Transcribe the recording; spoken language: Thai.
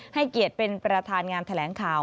ให้เกียรติเป็นประธานงานแถลงข่าว